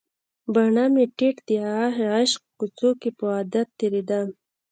باڼه مې ټیټ د عشق کوڅو کې په عادت تیریدم